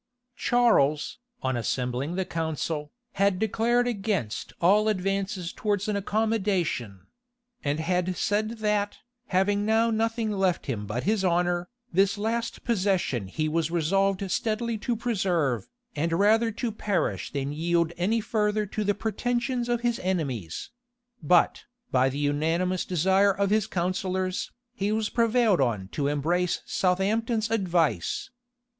[] Charles, on assembling the council, had declared against all advances towards an accommodation; and had said that, having now nothing left him but his honor, this last possession he was resolved steadily to preserve, and rather to perish than yield any further to the pretensions of his enemies:[] but, by the unanimous desire of the counsellors, he was prevailed on to embrace Southampton's advice.